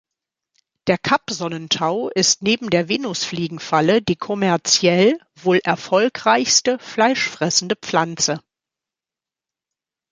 Der Kap-Sonnentau ist neben der Venusfliegenfalle die kommerziell wohl erfolgreichste fleischfressende Pflanze.